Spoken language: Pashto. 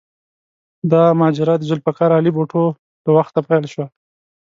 دا ماجرا د ذوالفقار علي بوټو له وخته پیل شوه.